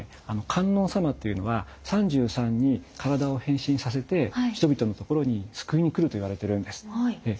観音様というのは３３に体を変身させて人々のところに救いに来るといわれてるんです。